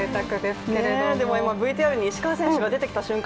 でも今ＶＴＲに石川選手が出てきた瞬間